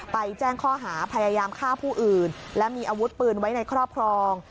แจ้งข้อหาพยายามฆ่าผู้อื่นและมีอาวุธปืนไว้ในครอบครอง